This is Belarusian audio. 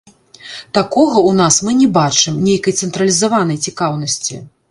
Такога ў нас мы не бачым, нейкай цэнтралізаванай цікаўнасці.